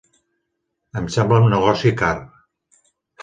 Em sembla un negoci car.